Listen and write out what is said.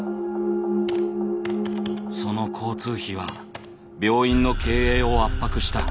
その交通費は病院の経営を圧迫した。